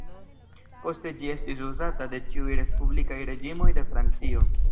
Poste ĝi estis uzata de ĉiuj respublikaj reĝimoj de Francio.